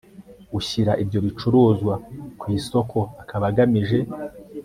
ushyira ibyo bicuruzwa ku isoko akaba agamije